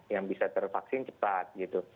yang bisa tervaksin cepat gitu